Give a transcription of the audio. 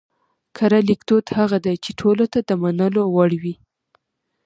کره ليکدود هغه دی چې ټولو ته د منلو وړ وي